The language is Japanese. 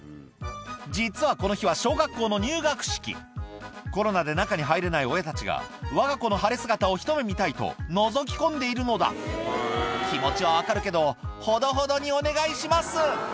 実はこの日は小学校の入学式コロナで中に入れない親たちがわが子の晴れ姿をひと目見たいとのぞき込んでいるのだ気持ちは分かるけどほどほどにお願いします